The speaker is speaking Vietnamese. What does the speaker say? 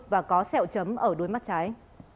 và có xẹo chấm ở đuôi mắt trái